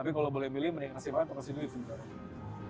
tapi kalau boleh milih mending kasih makan atau kasih duit